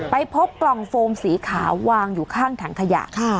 ไปพบกล่องโฟมสีขาววางอยู่ข้างถังขยะ